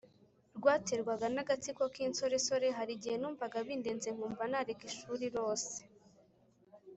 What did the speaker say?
rwaterwaga n agatsiko k insoresore Hari igihe numvaga bindenze nkumva nareka ishuri Rose